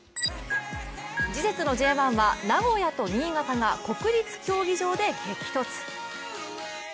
次節のＪ１は名古屋と新潟が国立競技場で激突。